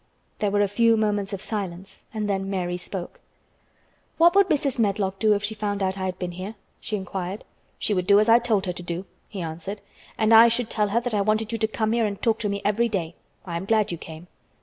There were a few moments of silence and then Mary spoke. "What would Mrs. Medlock do if she found out that I had been here?" she inquired. "She would do as I told her to do," he answered. "And I should tell her that I wanted you to come here and talk to me every day. I am glad you came."